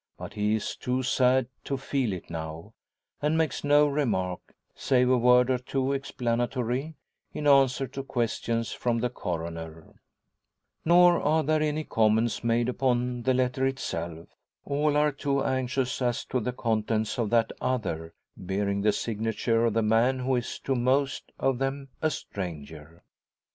But he is too sad to feel it now; and makes no remark, save a word or two explanatory, in answer to questions from the Coroner. Nor are any comments made upon the letter itself. All are too anxious as to the contents of that other, bearing the signature of the man who is to most of them a stranger.